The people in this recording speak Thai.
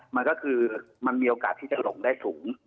มันก็คือมันมีโอกาสที่จะหลงได้สูง